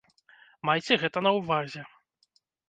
Майце гэта на ўвазе.